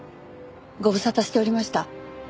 ご無沙汰しておりました。